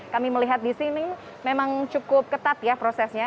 kami melihat disini memang cukup ketat ya prosesnya